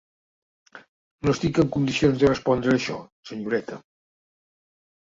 No estic en condicions de respondre a això, senyoreta.